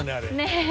ねえ。